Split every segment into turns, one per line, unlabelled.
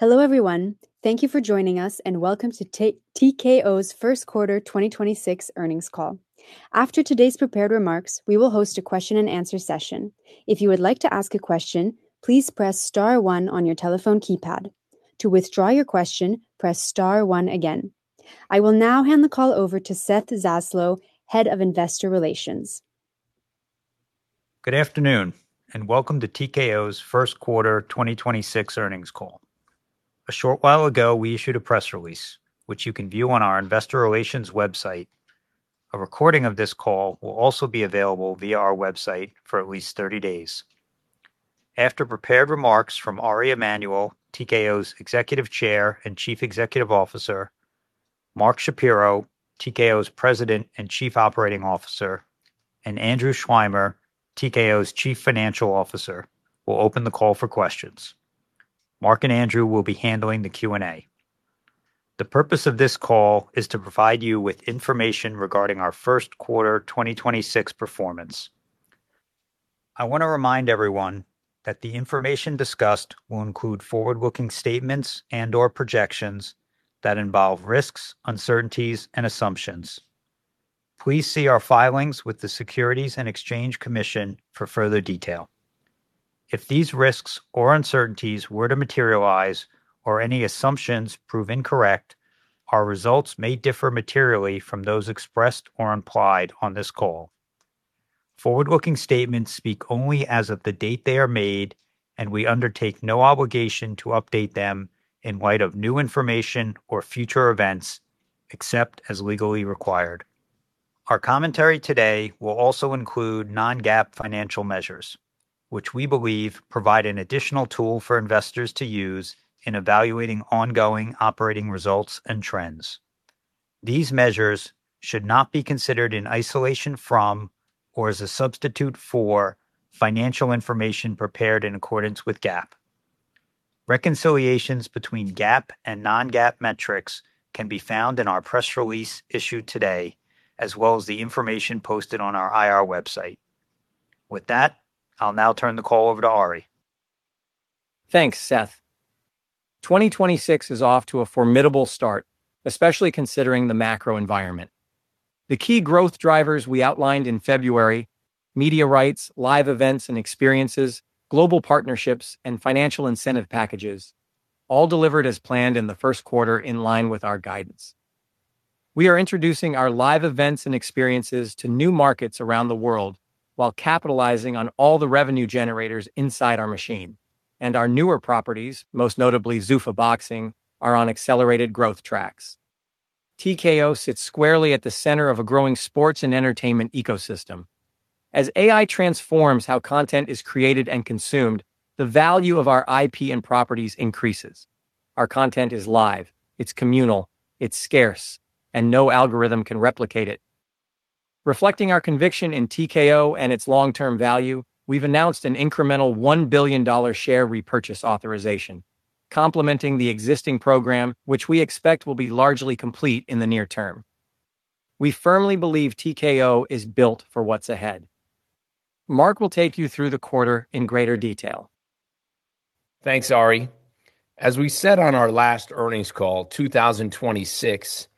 Hello, everyone. Thank you for joining us and welcome to TKO's First Quarter 2026 Earnings Call. After today's prepared remarks, we will host a question-and-answer session. If you would like to ask a question, please press star one on your telephone keypad. To withdraw your question, press star one again. I will now hand the call over to Seth Zaslow, Head of Investor Relations.
Good afternoon, welcome to TKO's First Quarter 2026 Earnings Call. A short while ago, we issued a press release, which you can view on our Investor Relations website. A recording of this call will also be available via our website for at least 30 days. After prepared remarks from Ariel Emanuel, TKO's Executive Chair and Chief Executive Officer, Mark Shapiro, TKO's President and Chief Operating Officer, and Andrew Schleimer, TKO's Chief Financial Officer, we'll open the call for questions. Mark and Andrew will be handling the Q&A. The purpose of this call is to provide you with information regarding our first quarter 2026 performance. I want to remind everyone that the information discussed will include forward-looking statements and/or projections that involve risks, uncertainties, and assumptions. Please see our filings with the Securities and Exchange Commission for further detail. If these risks or uncertainties were to materialize or any assumptions prove incorrect, our results may differ materially from those expressed or implied on this call. Forward-looking statements speak only as of the date they are made, and we undertake no obligation to update them in light of new information or future events, except as legally required. Our commentary today will also include non-GAAP financial measures, which we believe provide an additional tool for investors to use in evaluating ongoing operating results and trends. These measures should not be considered in isolation from or as a substitute for financial information prepared in accordance with GAAP. Reconciliations between GAAP and non-GAAP metrics can be found in our press release issued today, as well as the information posted on our IR website. With that, I'll now turn the call over to Ariel Emanuel.
Thanks, Seth. 2026 is off to a formidable start, especially considering the macro environment. The key growth drivers we outlined in February, media rights, live events and experiences, global partnerships, and financial incentive packages, all delivered as planned in the 1st quarter in line with our guidance. We are introducing our live events and experiences to new markets around the world while capitalizing on all the revenue generators inside our machine. Our newer properties, most notably Zuffa Boxing, are on accelerated growth tracks. TKO sits squarely at the center of a growing sports and entertainment ecosystem. As AI transforms how content is created and consumed, the value of our IP and properties increases. Our content is live, it's communal, it's scarce, and no algorithm can replicate it. Reflecting our conviction in TKO and its long-term value, we've announced an incremental $1 billion share repurchase authorization, complementing the existing program, which we expect will be largely complete in the near term. We firmly believe TKO is built for what's ahead. Mark will take you through the quarter in greater detail.
Thanks, Ari. As we said on our last Earnings Call, 2026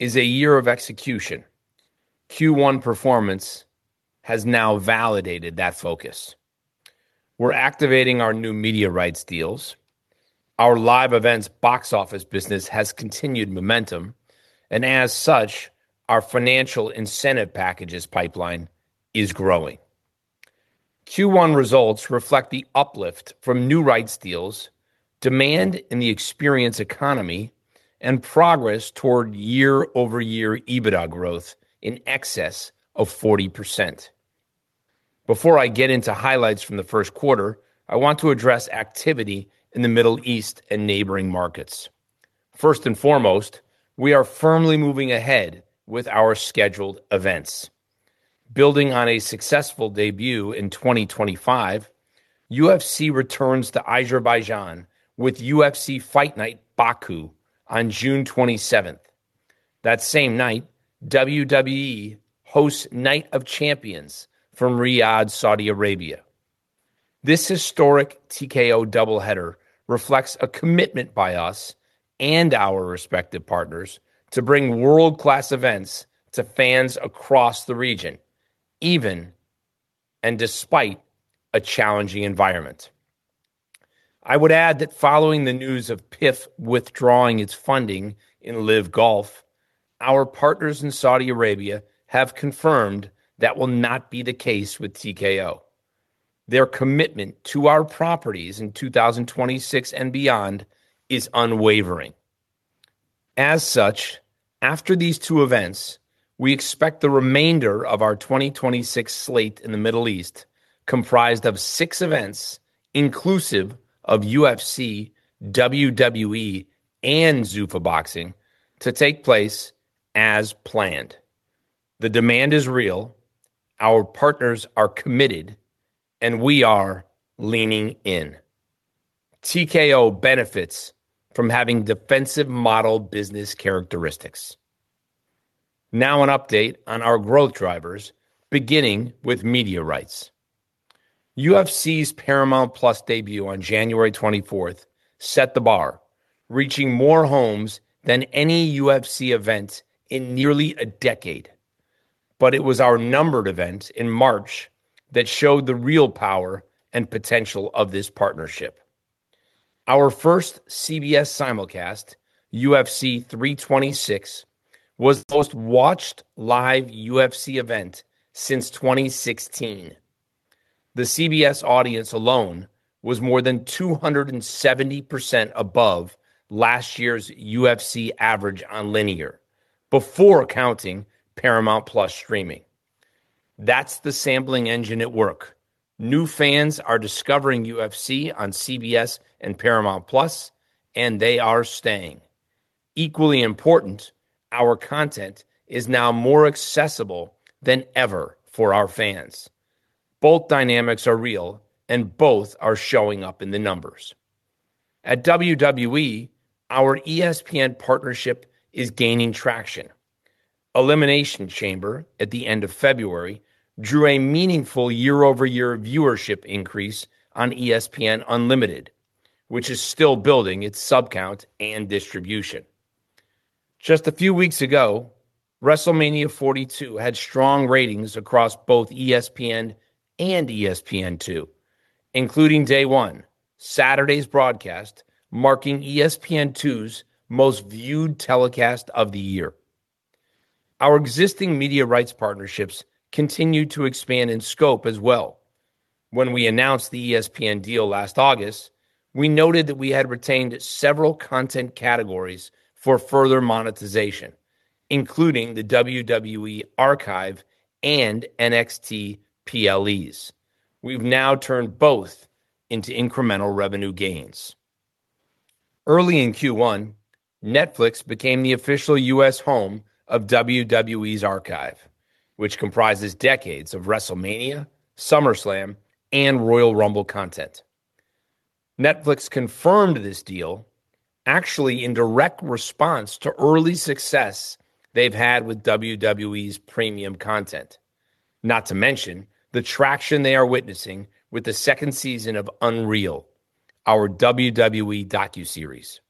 is a year of execution. Q1 performance has now validated that focus. We're activating our new media rights deals. As such, our live events box office business has continued momentum, and our financial incentive packages pipeline is growing. Q1 results reflect the uplift from new rights deals, demand in the experience economy, and progress toward year-over-year EBITDA growth in excess of 40%. Before I get into highlights from the first quarter, I want to address activity in the Middle East and neighboring markets. First and foremost, we are firmly moving ahead with our scheduled events. Building on a successful debut in 2025, UFC returns to Azerbaijan with UFC Fight Night Baku on June 27th. That same night, WWE hosts Night of Champions from Riyadh, Saudi Arabia. This historic TKO doubleheader reflects a commitment by us and our respective partners to bring world-class events to fans across the region, even and despite a challenging environment. I would add that following the news of PIF withdrawing its funding in LIV Golf, our partners in Saudi Arabia have confirmed that will not be the case with TKO. Their commitment to our properties in 2026 and beyond is unwavering. As such, after these two events, we expect the remainder of our 2026 slate in the Middle East comprised of six events inclusive of UFC, WWE, and Zuffa Boxing to take place as planned. The demand is real, our partners are committed, and we are leaning in. TKO benefits from having defensive model business characteristics. Now an update on our growth drivers, beginning with media rights. UFC's Paramount+ debut on January 24th set the bar, reaching more homes than any UFC event in nearly a decade. It was our numbered event in March that showed the real power and potential of this partnership. Our first CBS simulcast, UFC 326, was the most-watched live UFC event since 2016. The CBS audience alone was more than 270% above last year's UFC average on linear, before counting Paramount+ streaming. That's the sampling engine at work. New fans are discovering UFC on CBS and Paramount+, and they are staying. Equally important, our content is now more accessible than ever for our fans. Both dynamics are real, and both are showing up in the numbers. At WWE, our ESPN partnership is gaining traction. Elimination Chamber at the end of February drew a meaningful year-over-year viewership increase on ESPN Unlimited, which is still building its subscriber count and distribution. Just a few weeks ago, WrestleMania 42 had strong ratings across both ESPN and ESPN2, including day one, Saturday's broadcast, marking ESPN2's most-viewed telecast of the year. Our existing media rights partnerships continue to expand in scope as well. When we announced the ESPN deal last August, we noted that we had retained several content categories for further monetization, including the WWE Archive and NXT PLEs. We've now turned both into incremental revenue gains. Early in Q1, Netflix became the official U.S. home of WWE's Archive, which comprises decades of WrestleMania, SummerSlam, and Royal Rumble content. Netflix confirmed this deal actually in direct response to early success they've had with WWE's premium content, not to mention the traction they are witnessing with the second season of WWE: Unreal, our WWE docuseries.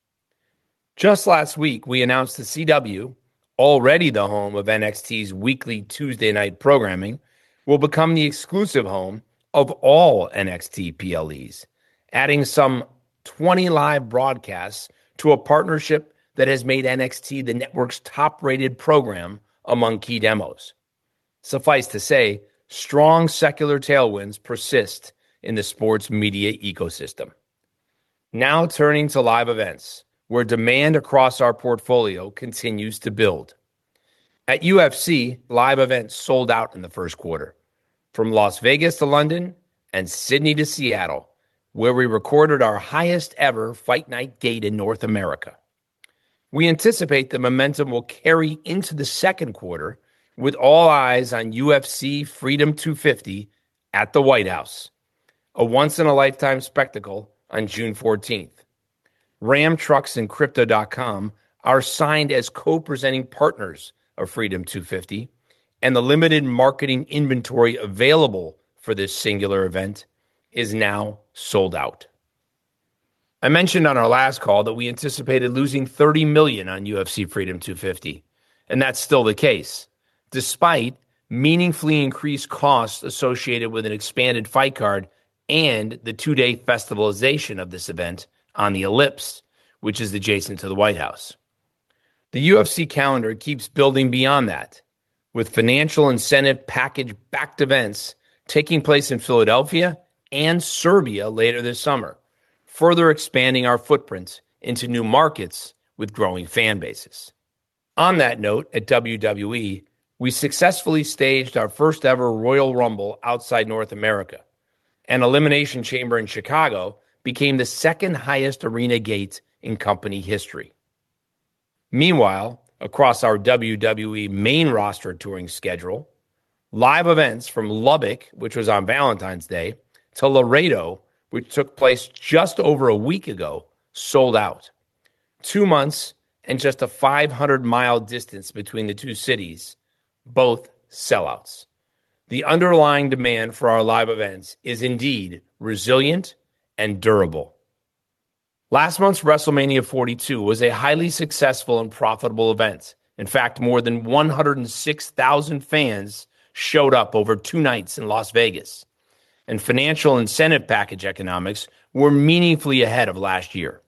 Just last week, we announced that The CW, already the home of NXT's weekly Tuesday night programming, will become the exclusive home of all NXT PLEs, adding some 20 live broadcasts to a partnership that has made NXT the network's top-rated program among key demos. Suffice to say, strong secular tailwinds persist in the sports media ecosystem. Now turning to live events, where demand across our portfolio continues to build. At UFC, live events sold out in the first quarter, from Las Vegas to London and Sydney to Seattle, where we recorded our highest-ever fight night gate in North America. We anticipate the momentum will carry into the second quarter with all eyes on UFC Freedom 250 at the White House, a once-in-a-lifetime spectacle on June 14th. Ram Trucks and Crypto.com are signed as co-presenting partners of Freedom 250. The limited marketing inventory available for this singular event is now sold out. I mentioned on our last call that we anticipated losing $30 million on UFC Freedom 250. That's still the case, despite meaningfully increased costs associated with an expanded fight card and the two-day festivalization of this event on the Ellipse, which is adjacent to the White House. The UFC calendar keeps building beyond that, with financial incentive package-backed events taking place in Philadelphia and Serbia later this summer, further expanding our footprint into new markets with growing fan bases. On that note, at WWE, we successfully staged our first-ever Royal Rumble outside North America, and Elimination Chamber in Chicago became the second-highest arena gate in company history. Meanwhile, across our WWE main roster touring schedule, live events from Lubbock, which was on Valentine's Day, to Laredo, which took place just over a week ago, sold out. Two months and just a 500-mile distance between the two cities, both sellouts. The underlying demand for our live events is indeed resilient and durable. Last month's WrestleMania 42 was a highly successful and profitable event. In fact, more than 106,000 fans showed up over two nights in Las Vegas, and financial incentive package economics were meaningfully ahead of last year.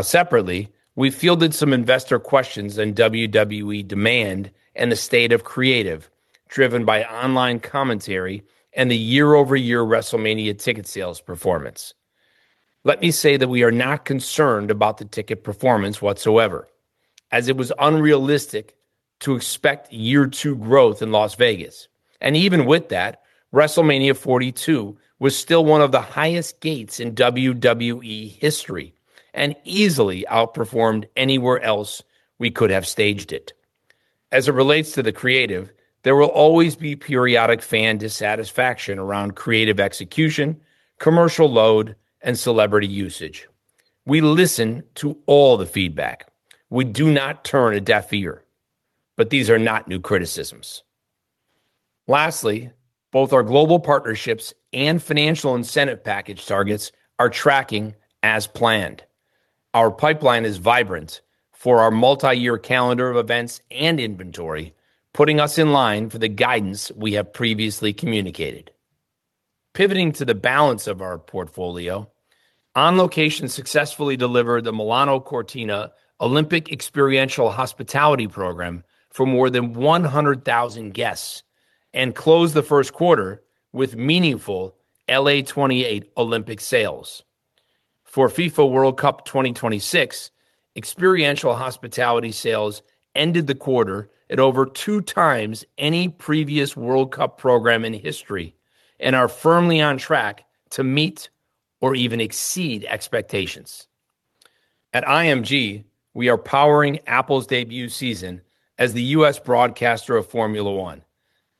Separately, we fielded some investor questions on WWE demand and the state of creative, driven by online commentary and the year-over-year WrestleMania ticket sales performance. Let me say that we are not concerned about the ticket performance whatsoever, as it was unrealistic to expect year two growth in Las Vegas. Even with that, WrestleMania 42 was still one of the highest gates in WWE history and easily outperformed anywhere else we could have staged it. As it relates to the creative, there will always be periodic fan dissatisfaction around creative execution, commercial load, and celebrity usage. We listen to all the feedback. We do not turn a deaf ear, but these are not new criticisms. Both our global partnerships and financial incentive package targets are tracking as planned. Our pipeline is vibrant for our multi-year calendar of events and inventory, putting us in line for the guidance we have previously communicated. Pivoting to the balance of our portfolio, On Location successfully delivered the Milano Cortina Olympic experiential hospitality program for more than 100,000 guests and closed the first quarter with meaningful LA28 Olympic sales. For FIFA World Cup 2026, experiential hospitality sales ended the quarter at over 2x any previous World Cup program in history and are firmly on track to meet or even exceed expectations. At IMG, we are powering Apple's debut season as the U.S. broadcaster of Formula 1,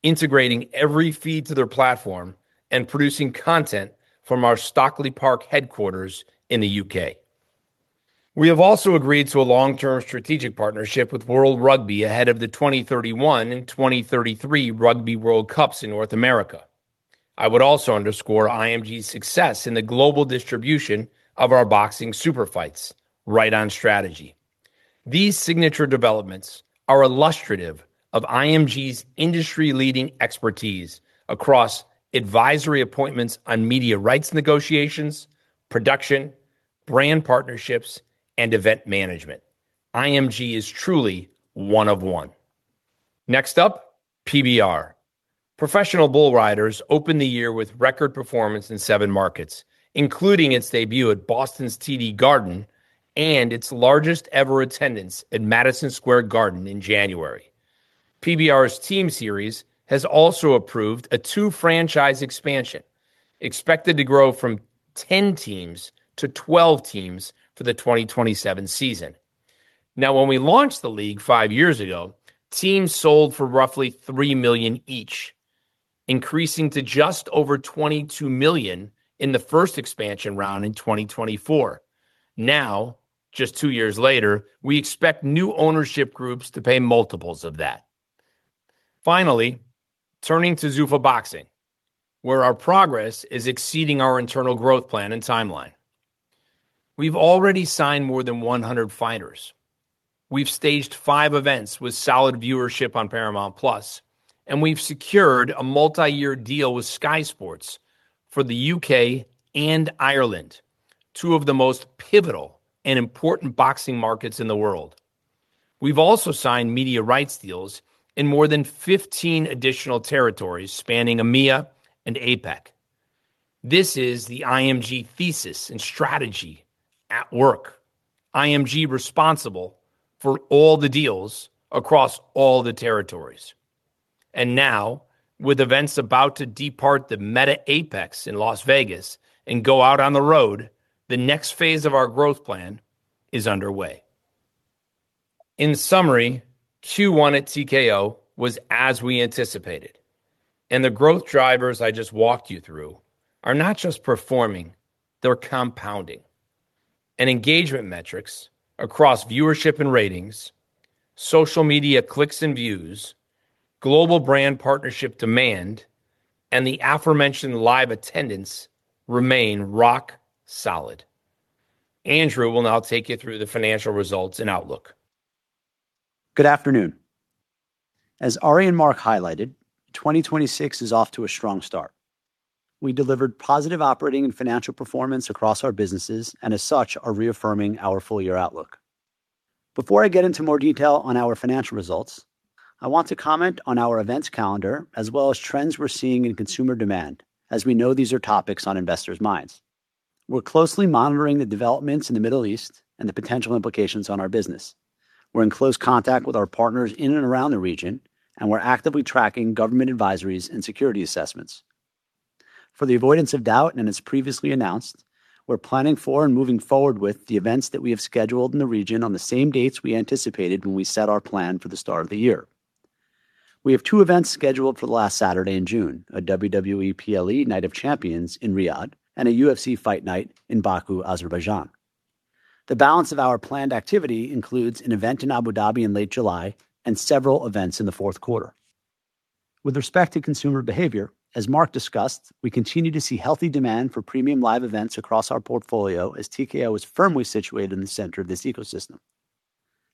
integrating every feed to their platform and producing content from our Stockley Park headquarters in the U.K. We have also agreed to a long-term strategic partnership with World Rugby ahead of the 2031 and 2033 Rugby World Cups in North America. I would also underscore IMG's success in the global distribution of our boxing super fights right on strategy. These signature developments are illustrative of IMG's industry-leading expertise across advisory appointments on media rights negotiations, production, brand partnerships, and event management. IMG is truly one of one. Next up, PBR. Professional Bull Riders opened the year with record performance in seven markets, including its debut at Boston's TD Garden and its largest-ever attendance at Madison Square Garden in January. PBR's team series has also approved a two-franchise expansion, expected to grow from 10 teams to 12 teams for the 2027 season. Now, when we launched the league five years ago, teams sold for roughly $3 million each, increasing to just over $22 million in the first expansion round in 2024. Now, just two years later, we expect new ownership groups to pay multiples of that. Finally, turning to Zuffa Boxing, where our progress is exceeding our internal growth plan and timeline. We've already signed more than 100 fighters. We've staged five events with solid viewership on Paramount+, we've secured a multi-year deal with Sky Sports for the U.K. and Ireland, two of the most pivotal and important boxing markets in the world. We've also signed media rights deals in more than 15 additional territories spanning EMEA and APAC. This is the IMG thesis and strategy at work. IMG responsible for all the deals across all the territories. Now, with events about to depart the Meta Apex in Las Vegas and go out on the road, the next phase of our growth plan is underway. In summary, Q1 at TKO was as we anticipated, the growth drivers I just walked you through are not just performing, they're compounding. Engagement metrics across viewership and ratings, social media clicks and views, global brand partnership demand, and the aforementioned live attendance remain rock solid. Andrew will now take you through the financial results and outlook.
Good afternoon. As Ari and Mark highlighted, 2026 is off to a strong start. We delivered positive operating and financial performance across our businesses and as such are reaffirming our full-year outlook. Before I get into more detail on our financial results, I want to comment on our events calendar as well as trends we're seeing in consumer demand, as we know these are topics on investors' minds. We're closely monitoring the developments in the Middle East and the potential implications on our business. We're in close contact with our partners in and around the region, and we're actively tracking government advisories and security assessments. For the avoidance of doubt and as previously announced, we're planning for and moving forward with the events that we have scheduled in the region on the same dates we anticipated when we set our plan for the start of the year. We have two events scheduled for the last Saturday in June, a WWE PLE Night of Champions in Riyadh and a UFC Fight Night in Baku, Azerbaijan. The balance of our planned activity includes an event in Abu Dhabi in late July and several events in the fourth quarter. With respect to consumer behavior, as Mark discussed, we continue to see healthy demand for premium live events across our portfolio as TKO is firmly situated in the center of this ecosystem.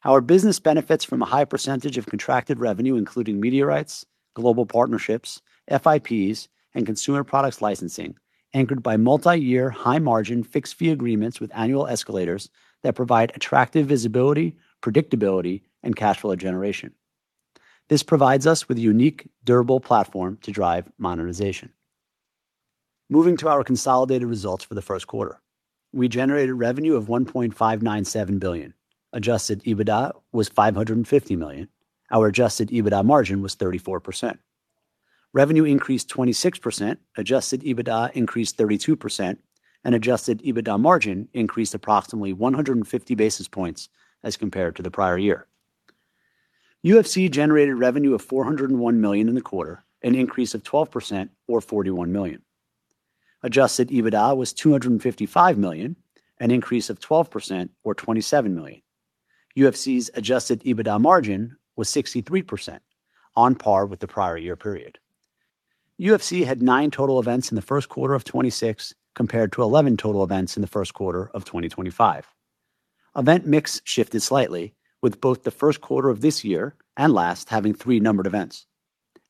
Our business benefits from a high percentage of contracted revenue, including media rights, global partnerships, FIPs, and consumer products licensing, anchored by multi-year, high-margin fixed-fee agreements with annual escalators that provide attractive visibility, predictability, and cash flow generation. This provides us with a unique, durable platform to drive monetization. Moving to our consolidated results for the first quarter. We generated revenue of $1.597 billion. Adjusted EBITDA was $550 million. Our adjusted EBITDA margin was 34%. Revenue increased 26%, adjusted EBITDA increased 32%, and adjusted EBITDA margin increased approximately 150 basis points as compared to the prior year. UFC generated revenue of $401 million in the quarter, an increase of 12% or $41 million. Adjusted EBITDA was $255 million, an increase of 12% or $27 million. UFC's adjusted EBITDA margin was 63% on par with the prior-year period. UFC had nine total events in the first quarter of 2026, compared to 11 total events in the first quarter of 2025. Event mix shifted slightly, with both the first quarter of this year and last having three numbered events.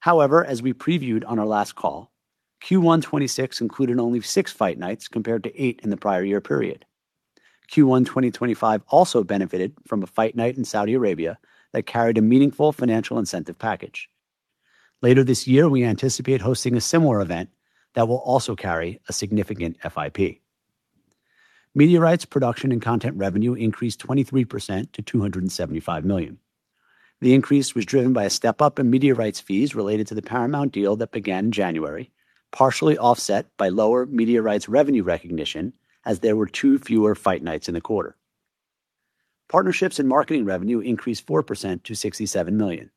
However, as we previewed on our last call, Q1 2026 included only six fight nights compared to eight in the prior year period. Q1 2025 also benefited from a fight night in Saudi Arabia that carried a meaningful financial incentive package. Later this year, we anticipate hosting a similar event that will also carry a significant FIP. Media rights production and content revenue increased 23% to $275 million. The increase was driven by a step-up in media rights fees related to the Paramount deal that began January, partially offset by lower media rights revenue recognition as there were two fewer fight nights in the quarter. Partnerships and marketing revenue increased 4% to $67 million.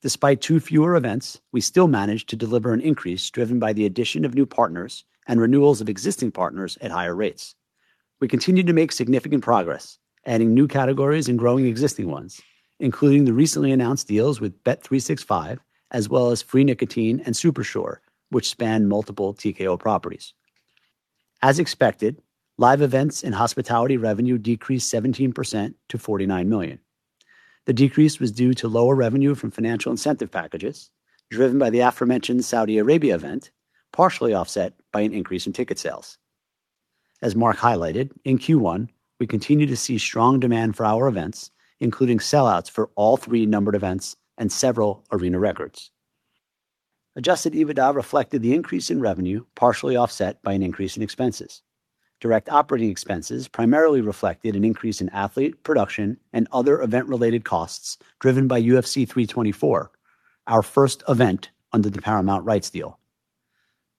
Despite two fewer events, we still managed to deliver an increase driven by the addition of new partners and renewals of existing partners at higher rates. We continue to make significant progress, adding new categories and growing existing ones, including the recently announced deals with Bet365, as well as FRE Nicotine and Supersure, which span multiple TKO properties. As expected, live events and hospitality revenue decreased 17% to $49 million. The decrease was due to lower revenue from financial incentive packages driven by the aforementioned Saudi Arabia event, partially offset by an increase in ticket sales. As Mark highlighted, in Q1 we continue to see strong demand for our events, including sellouts for all three numbered events and several arena records. Adjusted EBITDA reflected the increase in revenue, partially offset by an increase in expenses. Direct operating expenses primarily reflected an increase in athlete production and other event-related costs driven by UFC 324, our first event under the Paramount rights deal.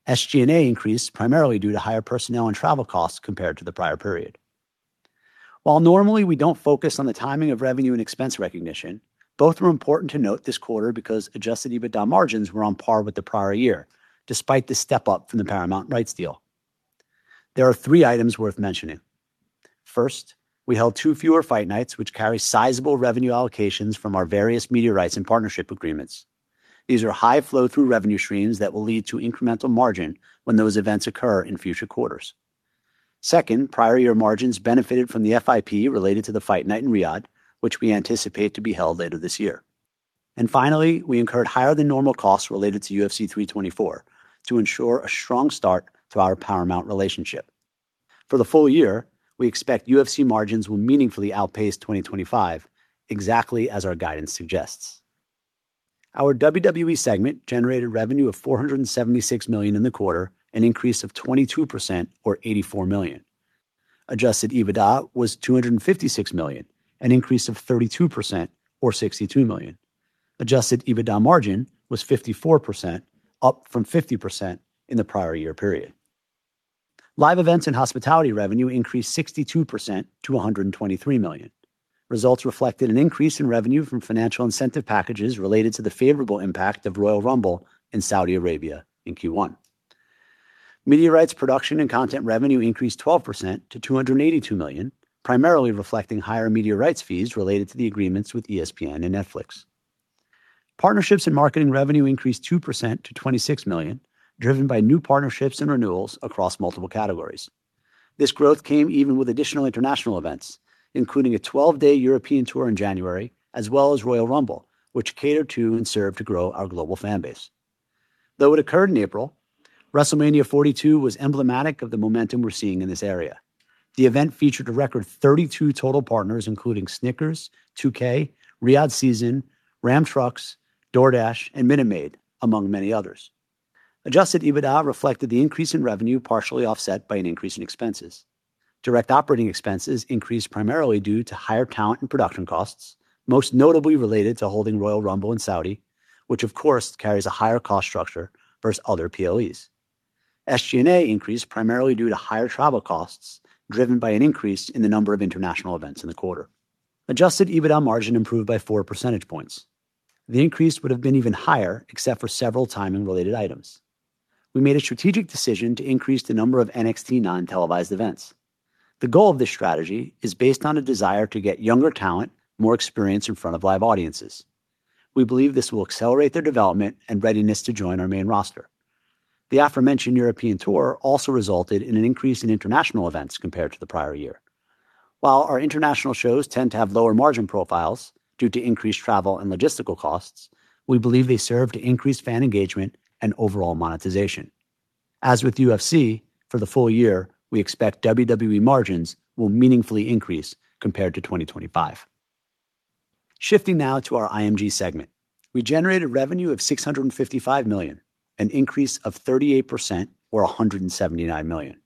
SG&A increased primarily due to higher personnel and travel costs compared to the prior period. While normally we don't focus on the timing of revenue and expense recognition, both are important to note this quarter because adjusted EBITDA margins were on par with the prior year, despite the step-up from the Paramount rights deal. There are three items worth mentioning. First, we held two fewer fight nights, which carry sizable revenue allocations from our various media rights and partnership agreements. These are high flow-through revenue streams that will lead to incremental margin when those events occur in future quarters. Second, prior year margins benefited from the FIP related to the fight night in Riyadh, which we anticipate to be held later this year. Finally, we incurred higher than normal costs related to UFC 324 to ensure a strong start to our Paramount relationship. For the full year, we expect UFC margins will meaningfully outpace 2025 exactly as our guidance suggests. Our WWE segment generated revenue of $476 million in the quarter, an increase of 22% or $84 million. Adjusted EBITDA was $256 million, an increase of 32% or $62 million. Adjusted EBITDA margin was 54%, up from 50% in the prior year period. Live events and hospitality revenue increased 62% to $123 million. Results reflected an increase in revenue from financial incentive packages related to the favorable impact of Royal Rumble in Saudi Arabia in Q1. Media rights production and content revenue increased 12% to $282 million, primarily reflecting higher media rights fees related to the agreements with ESPN and Netflix. Partnerships and marketing revenue increased 2% to $26 million, driven by new partnerships and renewals across multiple categories. This growth came even with additional international events, including a 12-day European tour in January, as well as Royal Rumble, which cater to and serve to grow our global fan base. Though it occurred in April, WrestleMania 42 was emblematic of the momentum we're seeing in this area. The event featured a record 32 total partners including Snickers, 2K, Riyadh Season, Ram Trucks, DoorDash, and Minute Maid, among many others. Adjusted EBITDA reflected the increase in revenue, partially offset by an increase in expenses. Direct operating expenses increased primarily due to higher talent and production costs, most notably related to holding Royal Rumble in Saudi, which of course carries a higher cost structure versus other PLEs. SG&A increased primarily due to higher travel costs, driven by an increase in the number of international events in the quarter. Adjusted EBITDA margin improved by four percentage points. The increase would have been even higher except for several timing-related items. We made a strategic decision to increase the number of NXT non-televised events. The goal of this strategy is based on a desire to get younger talent, more experience in front of live audiences. We believe this will accelerate their development and readiness to join our main roster. The aforementioned European tour also resulted in an increase in international events compared to the prior year. While our international shows tend to have lower margin profiles due to increased travel and logistical costs, we believe they serve to increase fan engagement and overall monetization. As with UFC, for the full year, we expect WWE margins will meaningfully increase compared to 2025. Shifting now to our IMG segment. We generated revenue of $655 million, an increase of 38% or $179 million.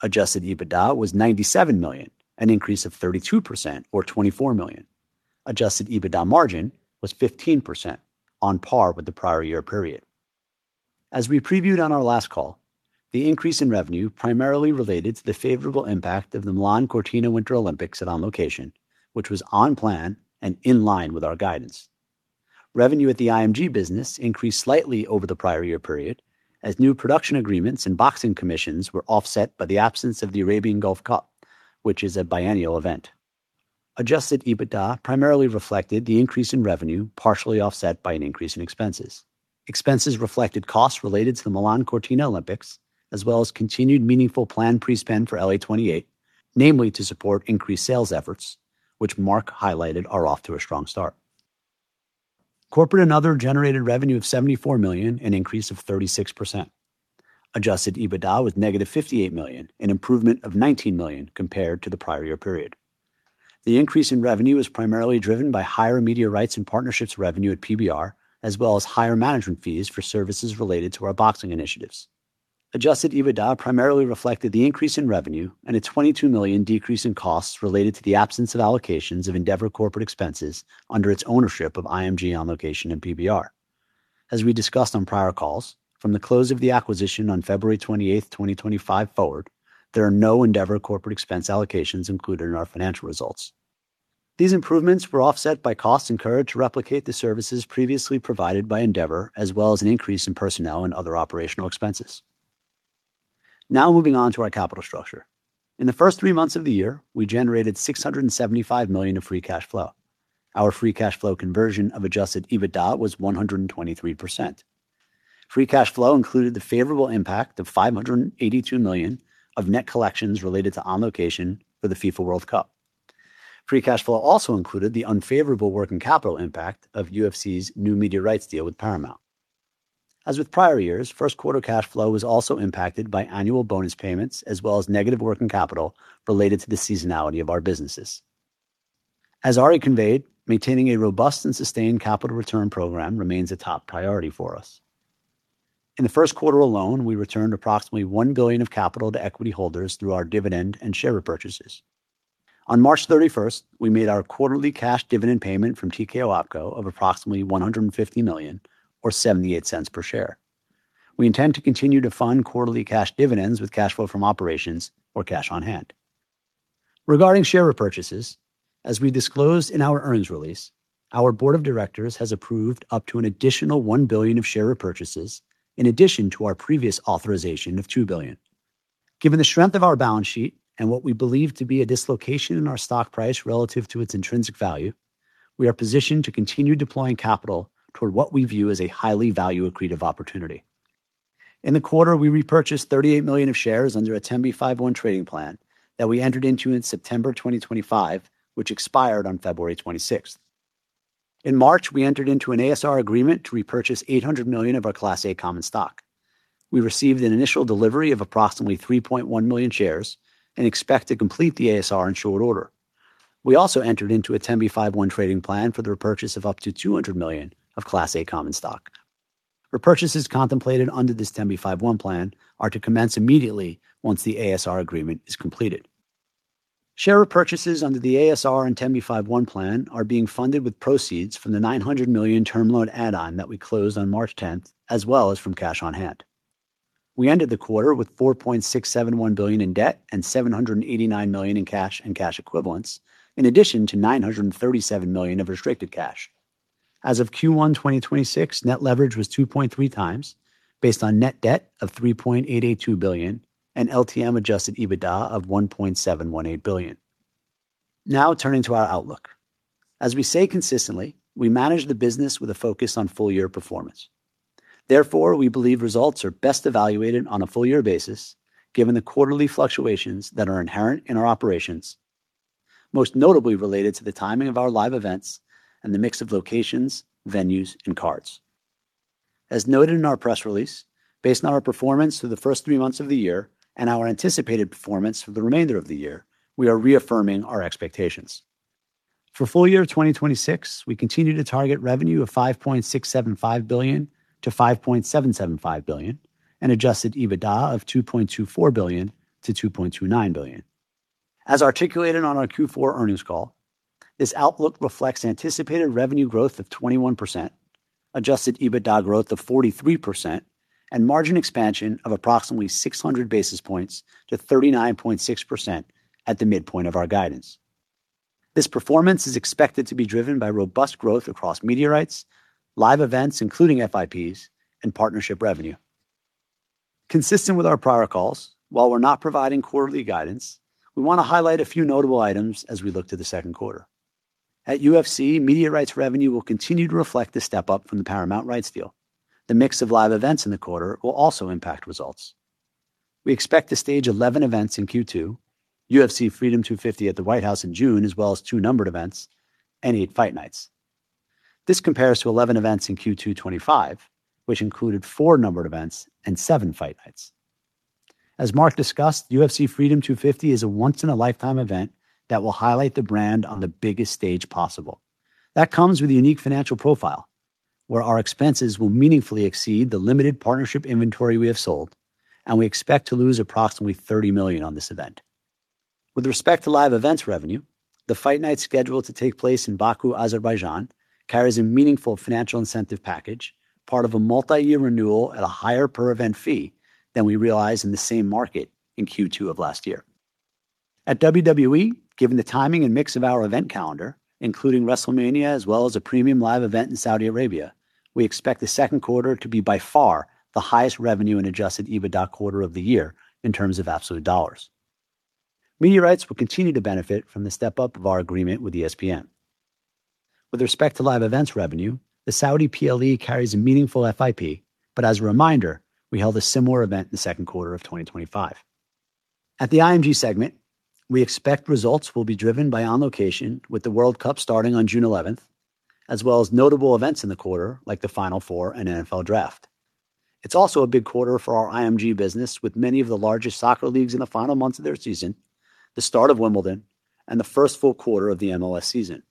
Adjusted EBITDA was $97 million, an increase of 32% or $24 million. Adjusted EBITDA margin was 15% on par with the prior year period. As we previewed on our last call, the increase in revenue primarily related to the favorable impact of the Milan Cortina Winter Olympics at On Location, which was on plan and in line with our guidance. Revenue at the IMG business increased slightly over the prior year period as new production agreements and boxing commissions were offset by the absence of the Arabian Gulf Cup, which is a biennial event. Adjusted EBITDA primarily reflected the increase in revenue, partially offset by an increase in expenses. Expenses reflected costs related to the Milan Cortina Olympics, as well as continued meaningful planned pre-spend for LA28, namely to support increased sales efforts which Mark highlighted are off to a strong start. Corporate and Other generated revenue of $74 million, an increase of 36%. Adjusted EBITDA was -$58 million, an improvement of $19 million compared to the prior year period. The increase in revenue was primarily driven by higher media rights and partnerships revenue at PBR, as well as higher management fees for services related to our boxing initiatives. Adjusted EBITDA primarily reflected the increase in revenue and a $22 million decrease in costs related to the absence of allocations of Endeavor corporate expenses under its ownership of IMG, On Location, and PBR. As we discussed on prior calls, from the close of the acquisition on February 28, 2025 forward, there are no Endeavor corporate expense allocations included in our financial results. These improvements were offset by costs incurred to replicate the services previously provided by Endeavor, as well as an increase in personnel and other operational expenses. Now moving on to our capital structure. In the first three months of the year, we generated $675 million of free cash flow. Our free cash flow conversion of adjusted EBITDA was 123%. Free cash flow included the favorable impact of $582 million of net collections related to On Location for the FIFA World Cup. Free cash flow also included the unfavorable working capital impact of UFC's new media rights deal with Paramount. As with prior years, first quarter cash flow was also impacted by annual bonus payments, as well as negative working capital related to the seasonality of our businesses. As Ari conveyed, maintaining a robust and sustained capital return program remains a top priority for us. In the first quarter alone, we returned approximately $1 billion of capital to equity holders through our dividend and share repurchases. On March 31st, we made our quarterly cash dividend payment from TKO OpCo of approximately $150 million or $0.78 per share. We intend to continue to fund quarterly cash dividends with cash flow from operations or cash on hand. Regarding share repurchases, as we disclosed in our earnings release, our board of directors has approved up to an additional $1 billion of share repurchases in addition to our previous authorization of $2 billion. Given the strength of our balance sheet and what we believe to be a dislocation in our stock price relative to its intrinsic value, we are positioned to continue deploying capital toward what we view as a highly value-accretive opportunity. In the quarter, we repurchased $38 million of shares under a 10b5-1 trading plan that we entered into in September 2025, which expired on February 26th. In March, we entered into an ASR agreement to repurchase $800 million of our Class A common stock. We received an initial delivery of approximately 3.1 million shares and expect to complete the ASR in short order. We also entered into a 10b5-1 trading plan for the repurchase of up to $200 million of Class A common stock. Repurchases contemplated under this 10b5-1 plan are to commence immediately once the ASR agreement is completed. Share repurchases under the ASR and 10b5-1 plan are being funded with proceeds from the $900 million term loan add-on that we closed on March 10th, as well as from cash on hand. We ended the quarter with $4.671 billion in debt and $789 million in cash and cash equivalents, in addition to $937 million of restricted cash. As of Q1 2026, net leverage was 2.3x based on net debt of $3.882 billion, and LTM adjusted EBITDA of $1.718 billion. Now turning to our outlook. As we say consistently, we manage the business with a focus on full-year performance. Therefore, we believe results are best evaluated on a full-year basis given the quarterly fluctuations that are inherent in our operations, most notably related to the timing of our live events and the mix of locations, venues, and cards. As noted in our press release, based on our performance through the first three months of the year and our anticipated performance for the remainder of the year, we are reaffirming our expectations. For full year 2026, we continue to target revenue of $5.675 billion-$5.775 billion and adjusted EBITDA of $2.24 billion-$2.29 billion. As articulated on our Q4 Earnings Call, this outlook reflects anticipated revenue growth of 21%, adjusted EBITDA growth of 43%, and margin expansion of approximately 600 basis points to 39.6% at the midpoint of our guidance. This performance is expected to be driven by robust growth across media rights, live events, including FIPs, and partnership revenue. Consistent with our prior calls, while we're not providing quarterly guidance, we want to highlight a few notable items as we look to the second quarter. At UFC, media rights revenue will continue to reflect the step-up from the Paramount rights deal. The mix of live events in the quarter will also impact results. We expect to stage 11 events in Q2, UFC Freedom 250 at the White House in June, as well as two numbered events and eight fight nights. This compares to 11 events in Q2 2025, which included four numbered events and seven fight nights. As Mark discussed, UFC Freedom 250 is a once-in-a-lifetime event that will highlight the brand on the biggest stage possible. That comes with a unique financial profile, where our expenses will meaningfully exceed the limited partnership inventory we have sold, and we expect to lose approximately $30 million on this event. With respect to live events revenue, the UFC Fight Night scheduled to take place in Baku, Azerbaijan, carries a meaningful financial incentive package, part of a multi-year renewal at a higher per -event fee than we realized in the same market in Q2 of last year. At WWE, given the timing and mix of our event calendar, including WrestleMania as well as a premium live event in Saudi Arabia, we expect the second quarter to be by far the highest revenue and adjusted EBITDA quarter of the year in terms of absolute dollars. Media rights will continue to benefit from the step-up of our agreement with ESPN. With respect to live events revenue, the Saudi PLE carries a meaningful FIP, as a reminder, we held a similar event in the second quarter of 2025. At the IMG segment, we expect results will be driven by On Location with the World Cup starting on June 11th, as well as notable events in the quarter like the Final Four and NFL Draft. It's also a big quarter for our IMG business with many of the largest soccer leagues in the final months of their season, the start of Wimbledon, and the first full quarter of the MLS season.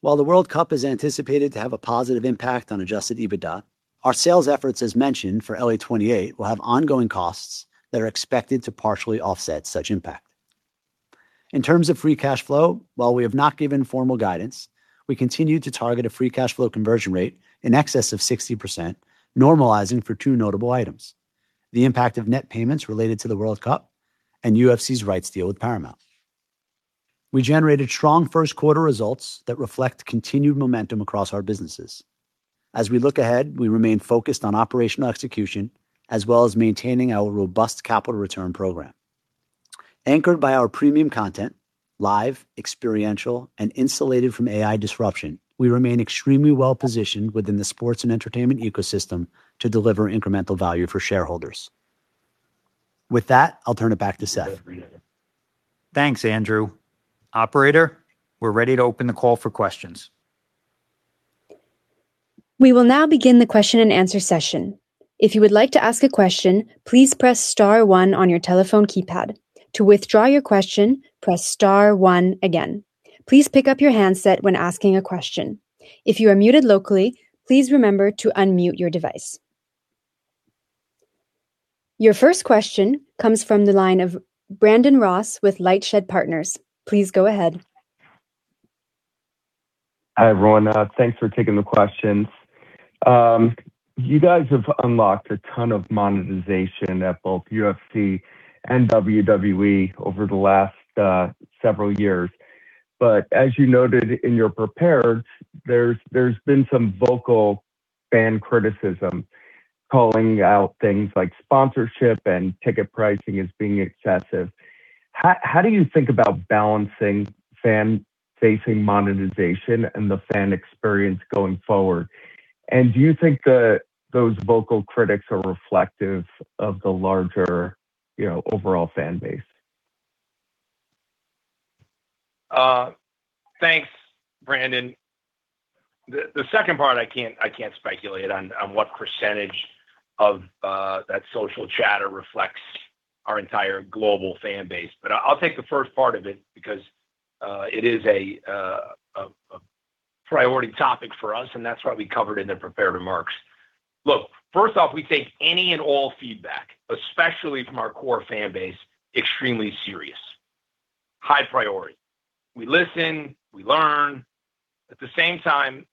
While the World Cup is anticipated to have a positive impact on adjusted EBITDA, our sales efforts, as mentioned, for LA28 will have ongoing costs that are expected to partially offset such impact. In terms of free cash flow, while we have not given formal guidance, we continue to target a free cash flow conversion rate in excess of 60% normalizing for two notable items, the impact of net payments related to the World Cup and UFC's rights deal with Paramount. We generated strong first quarter results that reflect continued momentum across our businesses. As we look ahead, we remain focused on operational execution as well as maintaining our robust capital return program. Anchored by our premium content, live, experiential, and insulated from AI disruption, we remain extremely well-positioned within the sports and entertainment ecosystem to deliver incremental value for shareholders. With that, I'll turn it back to Seth.
Thanks, Andrew. Operator, we're ready to open the call for questions.
We will now begin the question-and-answer session. Your first question comes from the line of Brandon Ross with LightShed Partners. Please go ahead.
Hi, everyone. Thanks for taking the questions. You guys have unlocked a ton of monetization at both UFC and WWE over the last several years. As you noted in your prepared, there's been some vocal fan criticism calling out things like sponsorship and ticket pricing as being excessive. How do you think about balancing fan-facing monetization and the fan experience going forward? Do you think those vocal critics are reflective of the larger, overall fan base?
Thanks, Brandon. The second part, I can't speculate on what percentage of that social chatter reflects our entire global fan base. I'll take the first part of it because it is a priority topic for us, and that's why we covered it in the prepared remarks. Look, first off, we take any and all feedback, especially from our core fan base, extremely serious. High priority. We listen, we learn. At the same time,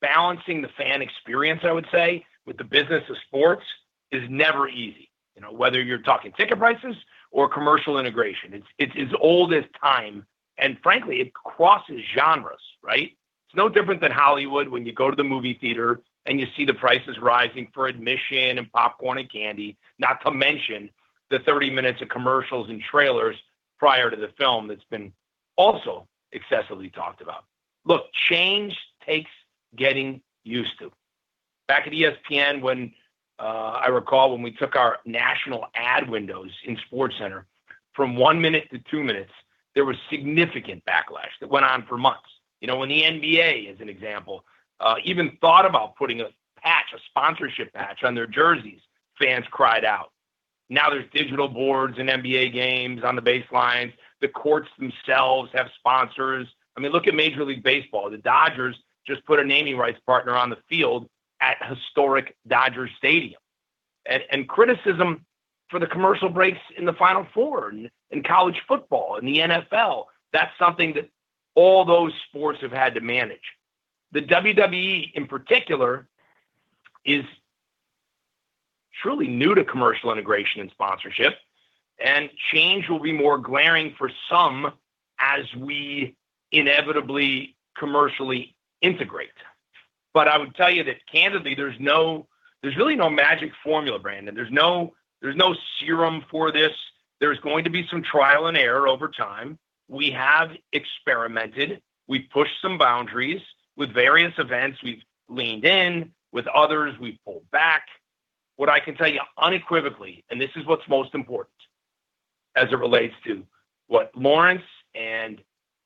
balancing the fan experience, I would say, with the business of sports is never easy. Whether you're talking ticket prices or commercial integration. It's as old as time, frankly, it crosses genres, right? It's no different than Hollywood when you go to the movie theater, and you see the prices rising for admission and popcorn and candy, not to mention the 30 minutes of commercials and trailers prior to the film that's been also excessively talked about. Look, change takes getting used to. Back at ESPN, when I recall when we took our national ad windows in SportsCenter from one minute to two minutes, there was significant backlash that went on for months. When the NBA, as an example, even thought about putting a patch, a sponsorship patch on their jerseys, fans cried out. Now there's digital boards in NBA games on the baseline. The courts themselves have sponsors. Look at Major League Baseball. The Dodgers just put a naming rights partner on the field at historic Dodger Stadium. Criticism for the commercial breaks in the Final Four, in college football, in the NFL, that's something that all those sports have had to manage. The WWE, in particular, is truly new to commercial integration and sponsorship, and change will be more glaring for some as we inevitably commercially integrate. I would tell you that candidly, there's really no magic formula, Brandon. There's no serum for this. There's going to be some trial and error over time. We have experimented. We've pushed some boundaries. With various events, we've leaned in. With others, we've pulled back. What I can tell you unequivocally, and this is what's most important as it relates to what Lawrence and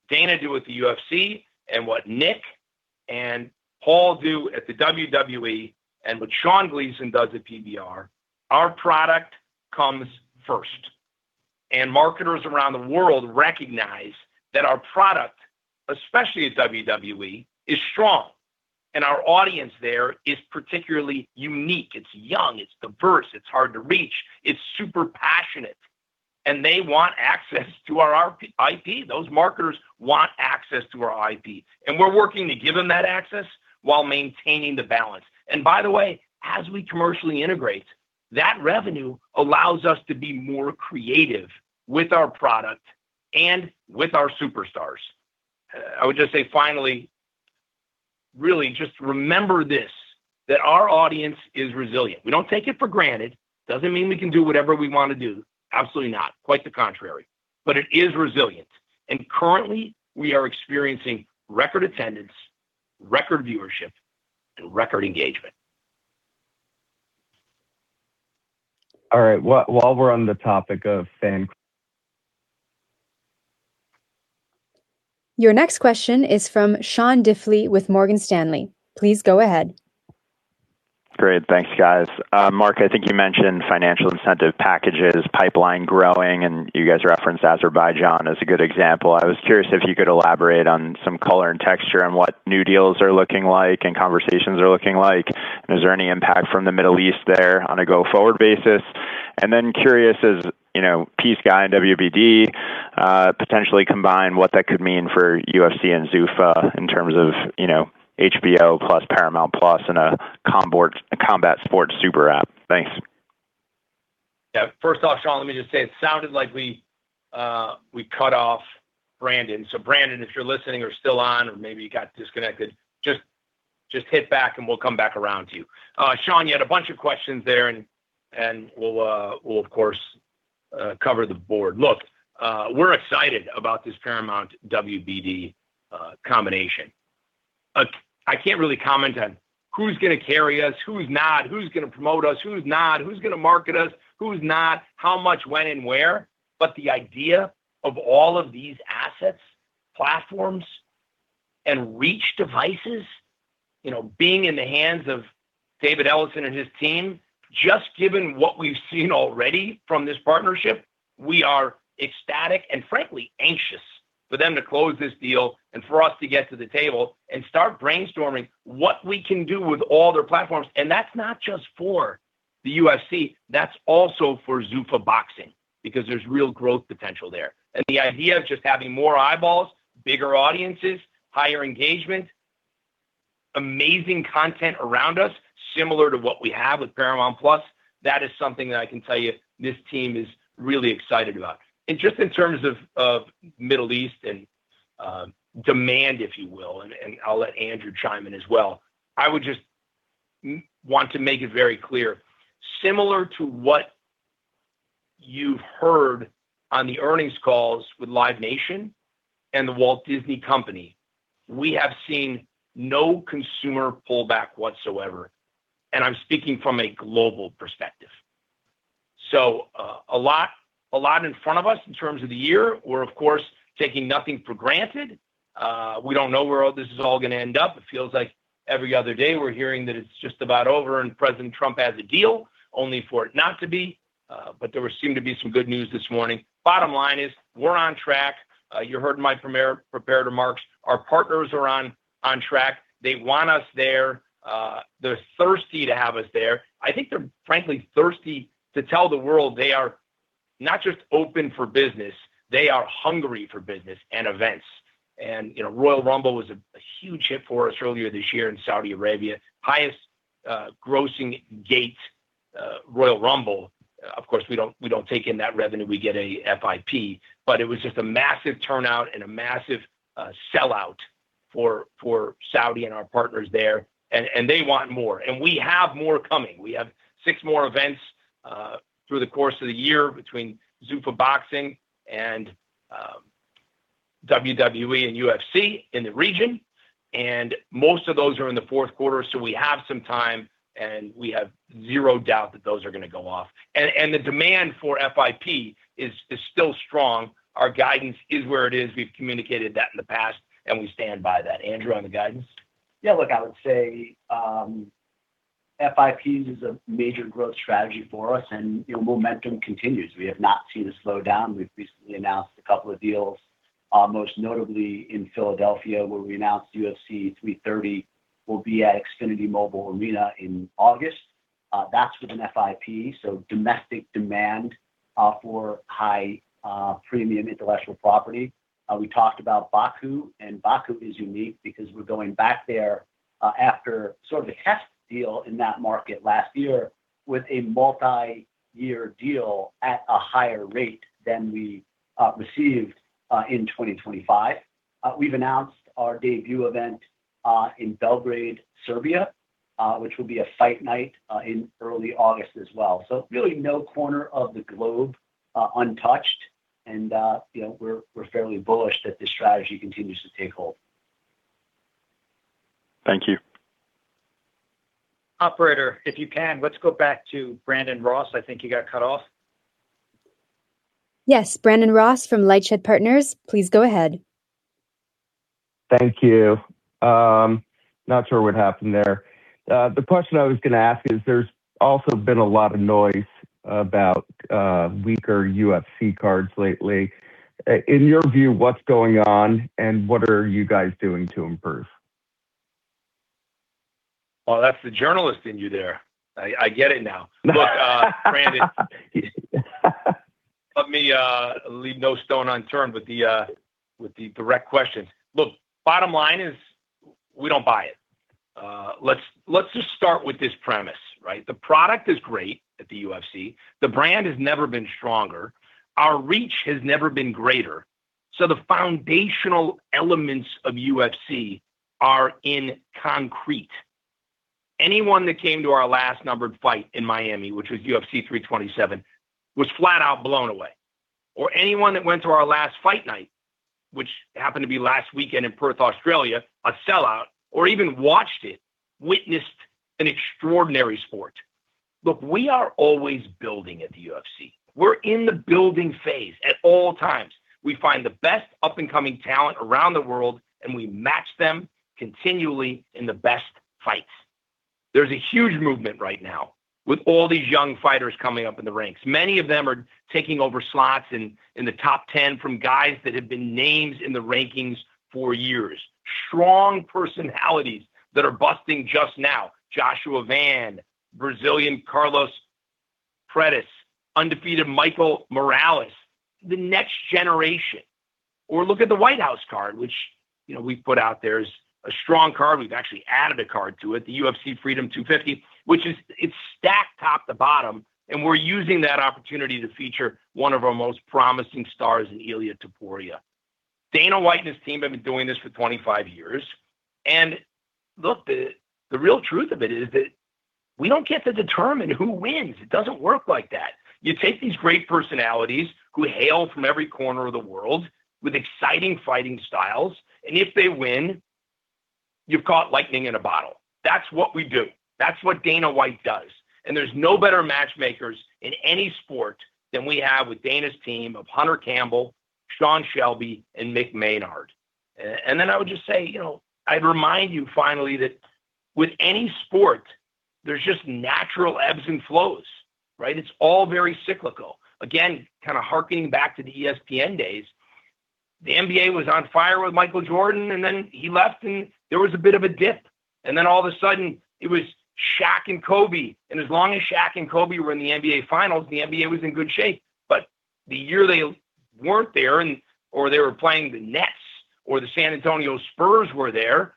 Dana do with the UFC and what Nick and Paul do at the WWE and what Sean Gleason does at PBR, our product comes first. Marketers around the world recognize that our product, especially at WWE, is strong. Our audience there is particularly unique. It's young, it's diverse, it's hard to reach, it's super passionate, and they want access to our IP. Those marketers want access to our IP, and we're working to give them that access while maintaining the balance. By the way, as we commercially integrate, that revenue allows us to be more creative with our product and with our superstars. I would just say finally, really just remember this, that our audience is resilient. We don't take it for granted, doesn't mean we can do whatever we want to do. Absolutely not. Quite the contrary, but it is resilient. Currently, we are experiencing record attendance, record viewership, and record engagement.
Your next question is from Sean Diffley with Morgan Stanley. Please go ahead.
Great. Thanks, guys. Mark, you mentioned financial incentive packages, pipeline growing, and you guys referenced Azerbaijan as a good example. I was curious if you could elaborate on some color and texture on what new deals are looking like and conversations are looking like. Is there any impact from the Middle East there on a go-forward basis? Then curious, as you know, Paramount and WBD potentially combine what that could mean for UFC and Zuffa in terms of HBO plus Paramount+ and a combat sport super app. Thanks.
First off, Sean, let me just say it sounded like we cut off Brandon. Brandon, if you're listening or still on, or maybe you got disconnected, just hit back and we'll come back around to you. Sean, you had a bunch of questions there, and we'll of course cover the board. We're excited about this Paramount WBD combination. I can't really comment on who's gonna carry us, who's not, who's gonna promote us, who's not, who's gonna market us, who's not, how much, when, and where. The idea of all of these assets, platforms, and reach devices, you know, being in the hands of David Ellison and his team, just given what we've seen already from this partnership, we are ecstatic and frankly, anxious for them to close this deal and for us to get to the table and start brainstorming what we can do with all their platforms. That's not just for the UFC, that's also for Zuffa Boxing, because there's real growth potential there. The idea of just having more eyeballs, bigger audiences, higher engagement, amazing content around us, similar to what we have with Paramount+, that is something that I can tell you this team is really excited about. Just in terms of Middle East demand, if you will, and I'll let Andrew chime in as well. I would just want to make it very clear, similar to what you've heard on the Earnings Calls with Live Nation and The Walt Disney Company, we have seen no consumer pullback whatsoever. I'm speaking from a global perspective. A lot in front of us in terms of the year. We're of course, taking nothing for granted. We don't know where all this is all gonna end up. It feels like every other day we're hearing that it's just about over and President Trump has a deal only for it not to be. There seemed to be some good news this morning. Bottom line is, we're on track. You heard in my prepared remarks, our partners are on track. They want us there. They're thirsty to have us there. They're frankly thirsty to tell the world they are not just open for business, they are hungry for business and events. Royal Rumble was a huge hit for us earlier this year in Saudi Arabia, highest-grossing gate Royal Rumble. Of course, we don't take in that revenue. We get a FIP, but it was just a massive turnout and a massive sellout for Saudi and our partners there. They want more. We have more coming. We have six more events through the course of the year between Zuffa Boxing and WWE and UFC in the region. Most of those are in the fourth quarter, so we have some time, and we have zero doubt that those are gonna go off. The demand for FIP is still strong. Our guidance is where it is. We've communicated that in the past. We stand by that. Andrew, on the guidance.
Look, I would say, FIP is a major growth strategy for us momentum continues. We have not seen a slowdown. We've recently announced a couple of deals, most notably in Philadelphia, where we announced UFC 330 will be at Xfinity Mobile Arena in August. That's with an FIP, domestic demand for high-premium intellectual property. We talked about Baku is unique because we're going back there, after a test deal in that market last year with a multi-year deal at a higher rate than we received in 2025. We've announced our debut event in Belgrade, Serbia, which will be a Fight Night in early August as well. Really no corner of the globe untouched. We're fairly bullish that this strategy continues to take hold.
Thank you.
Operator, if you can, let's go back to Brandon Ross. I think he got cut off.
Yes. Brandon Ross from LightShed Partners, please go ahead.
Thank you. Not sure what happened there. The question I was gonna ask is, there's also been a lot of noise about weaker UFC cards lately. In your view, what's going on and what are you guys doing to improve?
Well, that's the journalist in you there. I get it now. Look, Brandon, let me leave no stone unturned with the direct question. Look, bottom line is we don't buy it. Let's just start with this premise, right? The product is great at the UFC. The brand has never been stronger. Our reach has never been greater, the foundational elements of UFC are in concrete. Anyone that came to our last numbered fight in Miami, which was UFC 327, was flat-out blown away, or anyone that went to our last fight night, which happened to be last weekend in Perth, Australia, a sellout, or even watched it, witnessed an extraordinary sport. Look, we are always building at the UFC. We're in the building phase at all times. We find the best up-and-coming talent around the world, and we match them continually in the best fights. There's a huge movement right now with all these young fighters coming up in the ranks. Many of them are taking over slots in the top 10 from guys that have been named in the rankings for years. Strong personalities that are busting just now. Joshua Van, Brazilian Carlos Prates, undefeated Michael Morales, the next generation. Look at the White House card, which we've put out there. It's a strong card. We've actually added a card to it, the UFC Freedom 250, which is it's stacked top to bottom, and we're using that opportunity to feature one of our most promising stars in Ilia Topuria. Dana White and his team have been doing this for 25 years, and look, the real truth of it is that we don't get to determine who wins. It doesn't work like that. You take these great personalities who hail from every corner of the world with exciting fighting styles, and if they win, you've caught lightning in a bottle. That's what we do. That's what Dana White does, and there's no better matchmakers in any sport than we have with Dana's team of Hunter Campbell, Sean Shelby, and Mick Maynard. Then I would just say, I'd remind you finally that with any sport, there's just natural ebbs and flows, right? It's all very cyclical. Hearkening back to the ESPN days, the NBA was on fire with Michael Jordan, and then he left and there was a bit of a dip. All of a sudden, it was Shaq and Kobe, and as long as Shaq and Kobe were in the NBA finals, the NBA was in good shape. The year they weren't there or they were playing the Nets or the San Antonio Spurs were there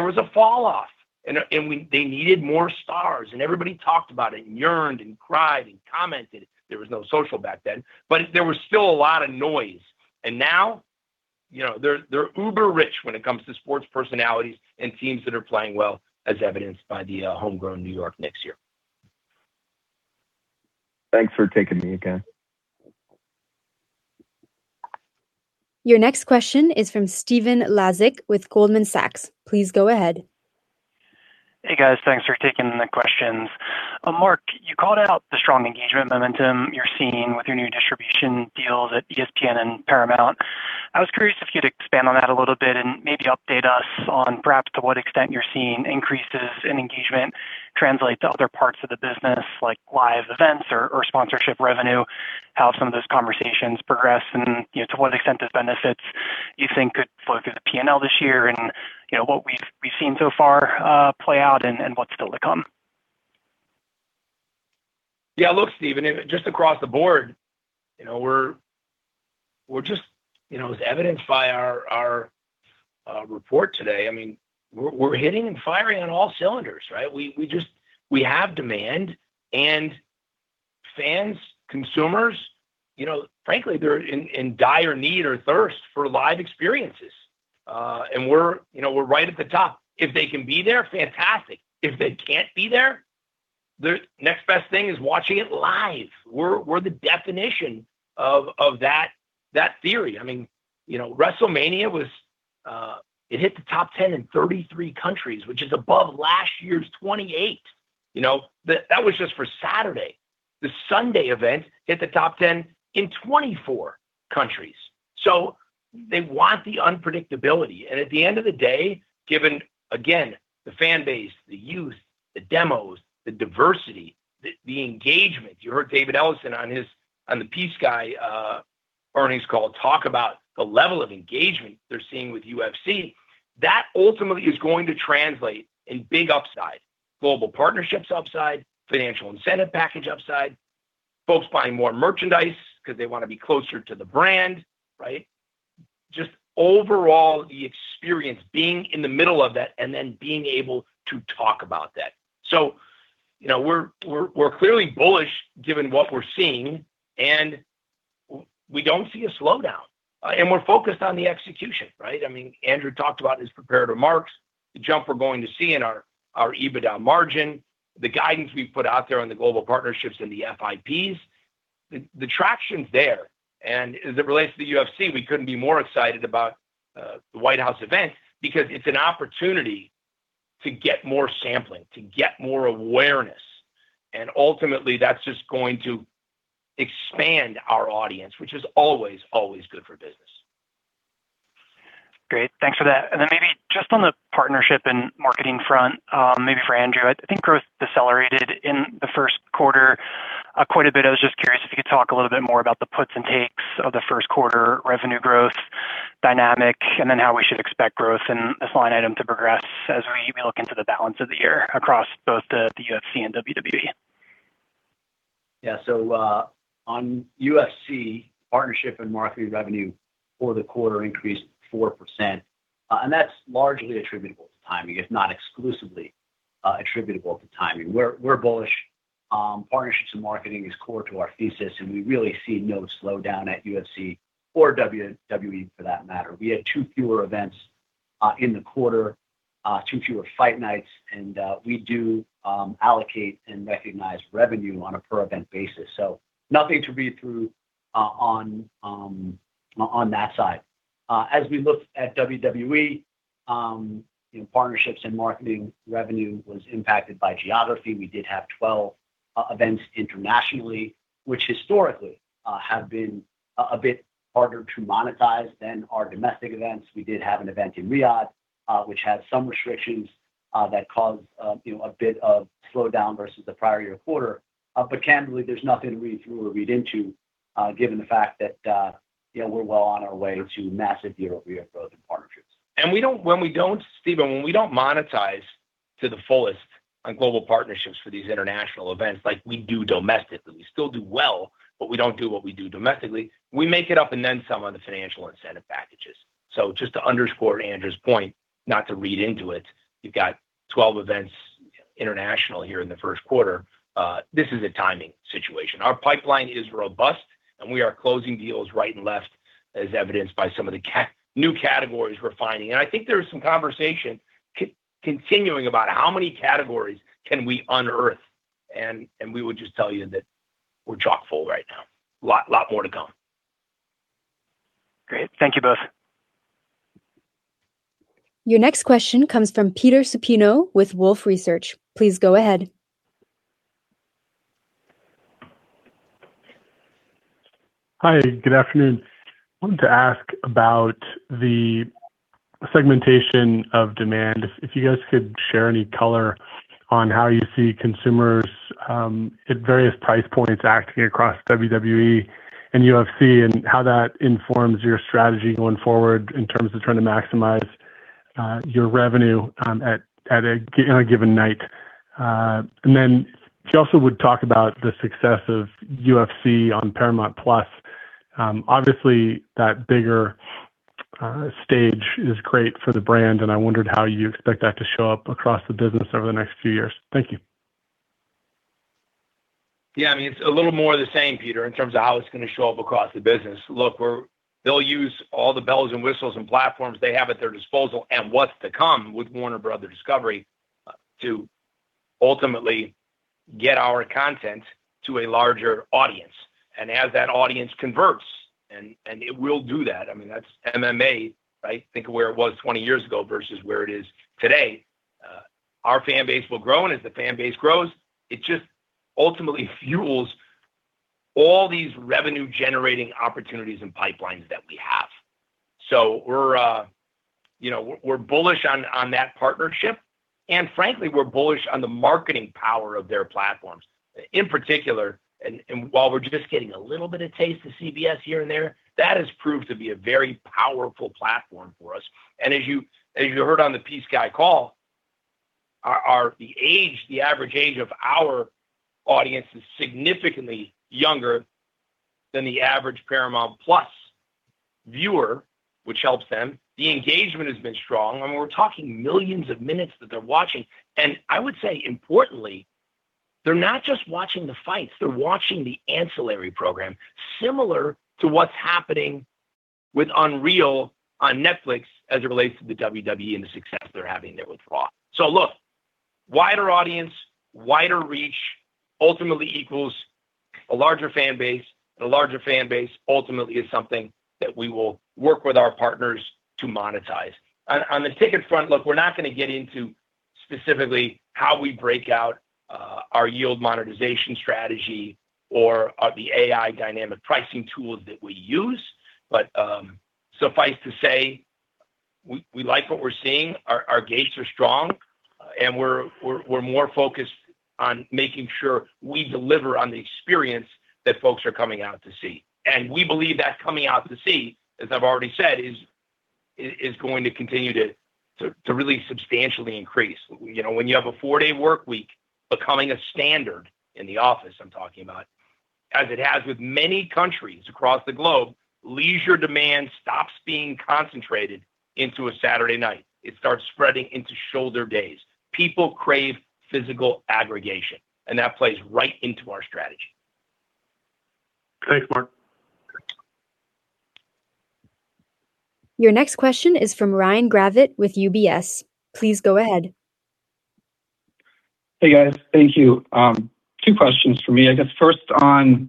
was a fall off, they needed more stars, and everybody talked about it and yearned and cried and commented. There was no social back then. There was still a lot of noise, and now, you know, they're uber rich when it comes to sports personalities and teams that are playing well, as evidenced by the homegrown New York Knicks here.
Thanks for taking me again.
Your next question is from Stephen Laszczyk with Goldman Sachs. Please go ahead.
Hey, guys. Thanks for taking the questions. Mark, you called out the strong engagement momentum you're seeing with your new distribution deals at ESPN and Paramount. I was curious if you'd expand on that a little bit and maybe update us on perhaps to what extent you're seeing increases in engagement translate to other parts of the business, like live events or sponsorship revenue, how some of those conversations progress and to what extent those benefits you think could flow through the P&L this year and what we've seen so far, play out and what's still to come.
Stephen, just across the board, we're just as evidenced by our report today. We're hitting and firing on all cylinders, right? We have demand and fans, consumers, frankly they're in dire need or thirst for live experiences. We're right at the top. If they can be there, fantastic. If they can't be there, the next best thing is watching it live. We're the definition of that theory. WrestleMania was, it hit the top 10 in 33 countries, which is above last year's 28. You know? That was just for Saturday. The Sunday event hit the top 10 in 24 countries. They want the unpredictability, and at the end of the day, given again the fan base, the youth, the demos, the diversity, the engagement. You heard David Ellison on his, on the PSKY Earnings Call talk about the level of engagement they're seeing with UFC. That ultimately is going to translate in big upside, global partnerships upside, financial incentive package upside. Folks buying more merchandise because they wanna be closer to the brand, right? Just overall, the experience being in the middle of that and then being able to talk about that. We're clearly bullish given what we're seeing, and we don't see a slowdown, and we're focused on the execution, right? Andrew talked about his prepared remarks, the jump we're going to see in our EBITDA margin, the guidance we've put out there on the global partnerships and the FIPs. The traction's there. As it relates to the UFC, we couldn't be more excited about the White House event because it's an opportunity to get more sampling, to get more awareness, and ultimately, that's just going to expand our audience, which is always good for business.
Great. Thanks for that. Maybe just on the partnership and marketing front, maybe for Andrew. Growth decelerated in the first quarter quite a bit. I was just curious if you could talk a little bit more about the puts and takes of the first quarter revenue growth dynamic, and then how we should expect growth in this line item to progress as we maybe look into the balance of the year across both the UFC and WWE.
On UFC, partnership and marketing revenue for the quarter increased 4%. And that's largely attributable to timing, if not exclusively attributable to timing. We're bullish on partnerships and marketing is core to our thesis, and we really see no slowdown at UFC or WWE for that matter. We had two fewer events in the quarter, two fewer fight nights, and we do allocate and recognize revenue on a per-event basis. Nothing to read through on that side. As we look at WWE, partnerships and marketing revenue was impacted by geography. We did have 12 events internationally, which historically have been a bit harder to monetize than our domestic events. We did have an event in Riyadh, which had some restrictions that caused, you know, a bit of slowdown versus the prior year quarter. Candidly, there's nothing to read through or read into, given the fact that we're well on our way to massive year-over-year growth in partnerships.
When we don't, Stephen, when we don't monetize to the fullest on global partnerships for these international events like we do domestically, we still do well, but we don't do what we do domestically. We make it up and then some on the financial incentive packages. Just to underscore Andrew's point, not to read into it, you've got 12 events international here in the first quarter. This is a timing situation. Our pipeline is robust, and we are closing deals right and left as evidenced by some of the new categories we're finding. There is some conversation continuing about how many categories can we unearth, and we would just tell you that we're chock-full right now. Lot more to come.
Great. Thank you both.
Your next question comes from Peter Supino with Wolfe Research. Please go ahead.
Hi, good afternoon. Wanted to ask about the segmentation of demand. If you guys could share any color on how you see consumers at various price points acting across WWE and UFC, and how that informs your strategy going forward in terms of trying to maximize your revenue on a given night. Then if you also would talk about the success of UFC on Paramount+. Obviously, that bigger stage is great for the brand, and I wondered how you expect that to show up across the business over the next few years. Thank you.
It's a little more of the same, Peter, in terms of how it's gonna show up across the business. Look, they'll use all the bells and whistles and platforms they have at their disposal and what's to come with Warner Bros. Discovery to ultimately get our content to a larger audience. As that audience converts, and it will do that. That's MMA, right? Think of where it was 20 years ago versus where it is today. Our fan base will grow, and as the fan base grows, it just ultimately fuels all these revenue-generating opportunities and pipelines that we have. We're bullish on that partnership. Frankly, we're bullish on the marketing power of their platforms. In particular, while we're just getting a little bit of taste of CBS here and there, that has proved to be a very powerful platform for us. As you heard on the Peacock call, the average age of our audience is significantly younger than the average Paramount+ viewer, which helps them. The engagement has been strong, and we're talking millions of minutes that they're watching. I would say, importantly, they're not just watching the fights, they're watching the ancillary program, similar to what's happening with WWE: Unreal on Netflix as it relates to the WWE and the success they're having there with Raw. Look, wider audience, wider reach ultimately equals a larger fan base. The larger fan base ultimately is something that we will work with our partners to monetize. On the ticket front, look, we're not gonna get into specifically how we break out our yield monetization strategy or the AI dynamic pricing tools that we use. Suffice to say, we like what we're seeing. Our gates are strong. We're more focused on making sure we deliver on the experience that folks are coming out to see. We believe that coming out to see, as I've already said, is going to continue to really substantially increase. When you have a four-day work week becoming a standard in the office, I'm talking about, as it has with many countries across the globe, leisure demand stops being concentrated into a Saturday night. It starts spreading into shoulder days. People crave physical aggregation, and that plays right into our strategy.
Thanks, Mark.
Your next question is from Ryan Gravett with UBS. Please go ahead.
Hey, guys. Thank you. Two questions from me. I guess first on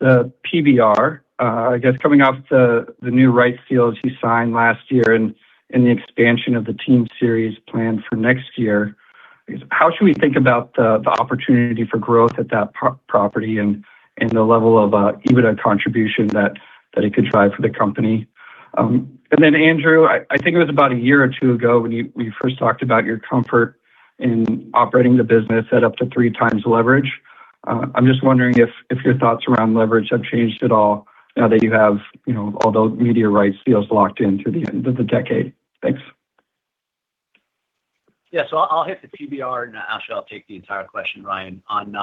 the PBR. Coming off the new rights deals you signed last year and the expansion of the team series planned for next year. How should we think about the opportunity for growth at that property and the level of even a contribution that it could drive for the company? Then Andrew, it was about one or two years ago when you first talked about your comfort in operating the business at up to 3x leverage. I'm just wondering if your thoughts around leverage have changed at all now that you have all those media rights deals locked in through the end of the decade. Thanks.
I'll hit the PBR, and Ash, I'll take the entire question, Ryan, as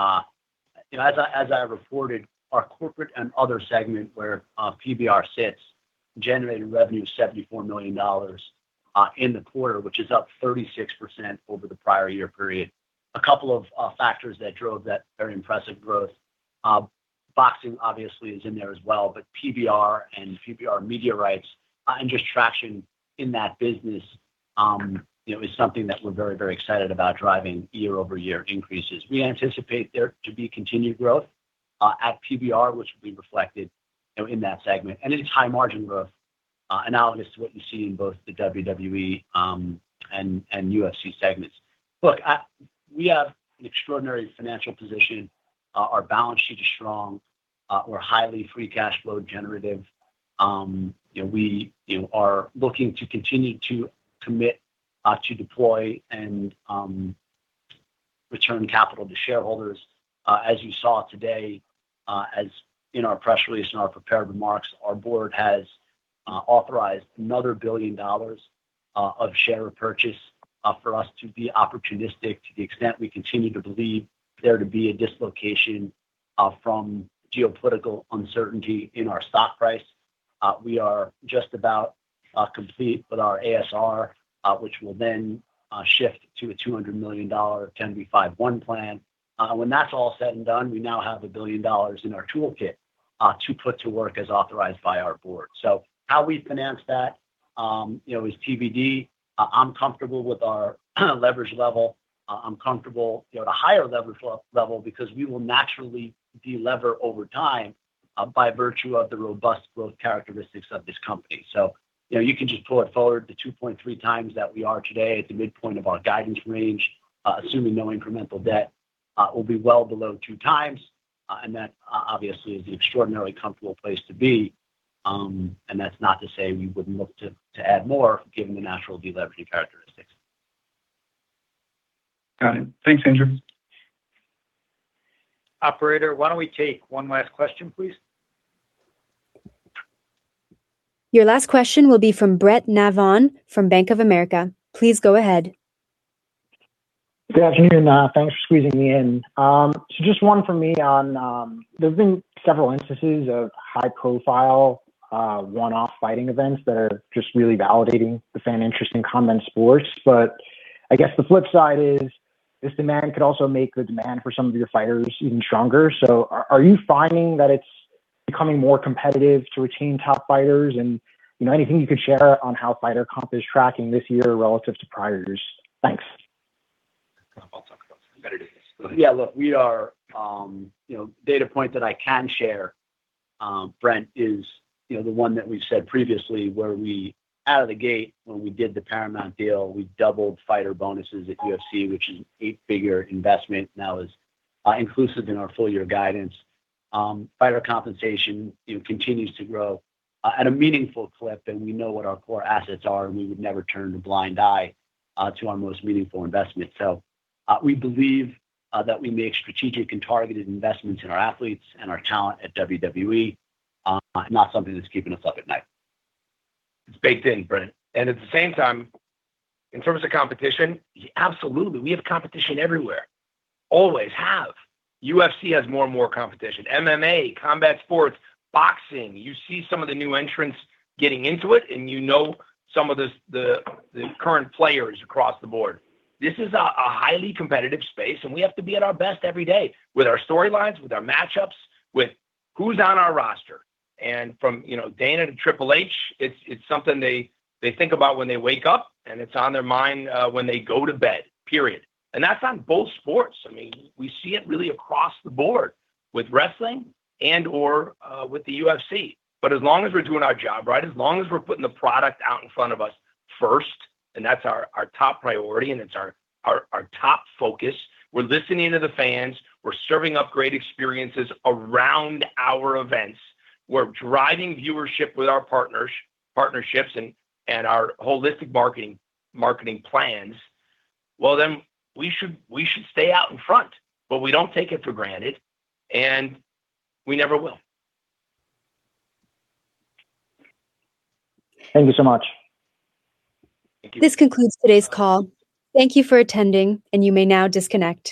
I reported our Corporate and Other Segment where PBR sits, generated revenue of $74 million in the quarter, which is up 36% over the prior year period. A couple of factors that drove that very impressive growth. Boxing obviously is in there as well, but PBR and PBR media rights, and just traction in that business is something that we're very, very excited about driving year-over-year increases. We anticipate there to be continued growth at PBR, which will be reflected in that segment. It is high-margin growth analogous to what you see in both the WWE and UFC segments. Look, we have an extraordinary financial position. Our balance sheet is strong. We're highly free cash flow generative. We are looking to continue to commit, to deploy and return capital to shareholders. As you saw today, as in our press release, in our prepared remarks, our board has authorized another $1 billion of share repurchase for us to be opportunistic to the extent we continue to believe there to be a dislocation from geopolitical uncertainty in our stock price. We are just about complete with our ASR, which will then shift to a $200 million 10b5-1 plan. When that's all said and done, we now have $1 billion in our toolkit to put to work as authorized by our board. How we finance that is TBD. I'm comfortable with our leverage level. I'm comfortable, you know, at a higher level because we will naturally de-lever over time by virtue of the robust growth characteristics of this company. You can just pull it forward the 2.3x that we are today at the midpoint of our guidance range, assuming no incremental debt, will be well below 2x. That obviously is the extraordinarily comfortable place to be. That's not to say we wouldn't look to add more given the natural de-leveraging characteristics.
Got it. Thanks, Andrew.
Operator, why don't we take one last question, please?
Your last question will be from Brent Navon from Bank of America. Please go ahead.
Good afternoon. Thanks for squeezing me in. Just one for me on, there's been several instances of high-profile, one-off fighting events that are just really validating the fan interest in combat sports. The flip side is this demand could also make the demand for some of your fighters even stronger. Are you finding that it's becoming more competitive to retain top fighters? Anything you could share on how fighter comp is tracking this year relative to priors? Thanks.
We are data point that I can share, Brent, is the one that we've said previously where we, out of the gate, when we did the Paramount deal, we doubled fighter bonuses at UFC, which is an eight-figure investment now is inclusive in our full-year guidance. Fighter compensation, continues to grow at a meaningful clip, and we know what our core assets are, and we would never turn a blind eye to our most meaningful investment. We believe that we make strategic and targeted investments in our athletes and our talent at WWE, not something that's keeping us up at night.
It's baked in, Brent. At the same time, in terms of competition, absolutely, we have competition everywhere. Always have. UFC has more and more competition. MMA, combat sports, boxing, you see some of the new entrants getting into it, some of the current players across the board. This is a highly competitive space, and we have to be at our best every day with our storylines, with our matchups, with who's on our roster. From Dana to Triple H, it's something they think about when they wake up and it's on their mind when they go to bed, period. That's on both sports. We see it really across the board with wrestling or with the UFC. As long as we're doing our job right, as long as we're putting the product out in front of us first, and that's our top priority, and it's our top focus. We're listening to the fans. We're serving up great experiences around our events. We're driving viewership with our partnerships and our holistic marketing plans. Well, we should stay out in front, but we don't take it for granted, and we never will.
Thank you so much.
Thank you.
This concludes today's call. Thank you for attending, and you may now disconnect.